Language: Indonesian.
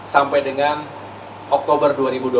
sampai dengan oktober dua ribu dua puluh